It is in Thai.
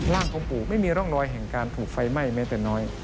ของปู่ไม่มีร่องรอยแห่งการถูกไฟไหม้แม้แต่น้อย